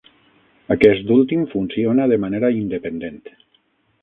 Aquest últim funciona de manera independent.